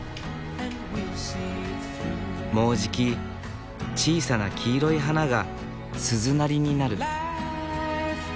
もうじき小さな黄色い花が鈴なりになる。